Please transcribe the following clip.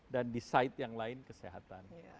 dan di sisi lain kesehatan